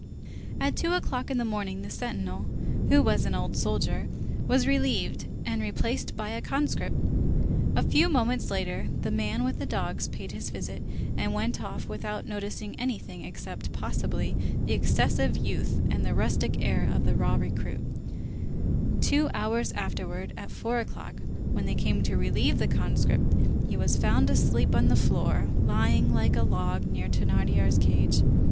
At two o'clock in the morning, the sentinel, who was an old soldier, was relieved, and replaced by a conscript. A few moments later, the man with the dogs paid his visit, and went off without noticing anything, except, possibly, the excessive youth and "the rustic air" of the "raw recruit." Two hours afterwards, at four o'clock, when they came to relieve the conscript, he was found asleep on the floor, lying like a log near Thénardier's cage.